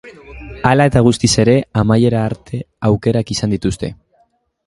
Hala eta guztiz ere, amaierara arte aukerak izan dituzte.